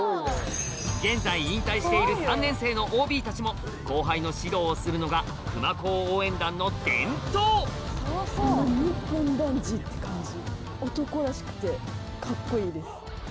現在引退している３年生のＯＢたちも後輩の指導をするのが熊高応援団の伝統って感じ。